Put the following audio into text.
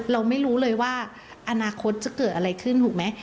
เราไม่รู้เลยว่าอนาคตจะเกิดอะไรขึ้นถูกไหม